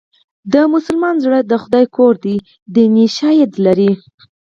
د مسلمان زړه د خدای کور دی دیني شالید لري